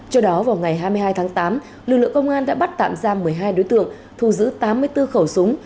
trước đó vào ngày hai mươi hai tháng tám lực lượng công an đã bắt tạm ra một mươi hai đối tượng thu giữ tám mươi bốn khẩu súng